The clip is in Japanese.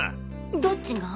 どっちが？